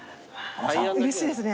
うれしいですね